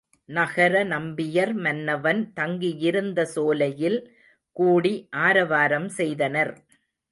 நகர நம்பியர் மன்னவன் தங்கியிருந்த சோலையில் கூடி ஆரவாரம் செய்தனர்.